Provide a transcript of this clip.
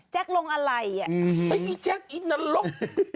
แจ๊กลงอะไรอ่ะอื้อฮือแอ้ไอ้แจ๊กไอ้นรก